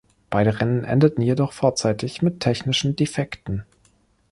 Beide Rennen endeten jedoch vorzeitig mit technischen Defekten.